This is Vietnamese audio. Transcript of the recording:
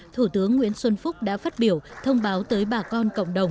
thủ tướng nguyễn xuân phúc đã phát biểu thông báo tới bà con cộng đồng